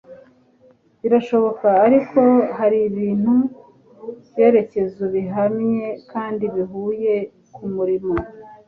birashoboka, ariko haribintu byerekezo bihamye kandi bihuye kumurimo